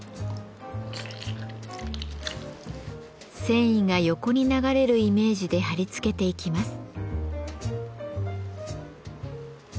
繊維が横に流れるイメージで貼り付けていきます。